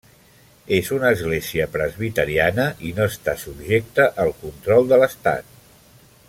És una església presbiteriana i no està subjecta al control de l'estat.